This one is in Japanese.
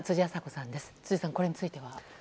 辻さん、これについては。